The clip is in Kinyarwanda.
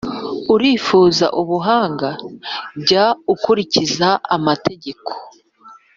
Urifuza ubuhanga? Jya ukurikiza amategeko,